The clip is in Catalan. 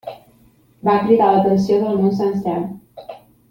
Va cridar l'atenció del món sencer.